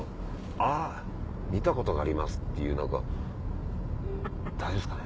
「あぁ見たことがあります」っていう何か大丈夫ですかね。